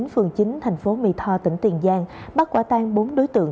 phường chín tp mì tho tỉnh tiền giang bắt quả tăng bốn đối tượng